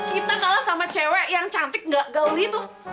kita kalah sama cewek yang cantik nggak gauli tuh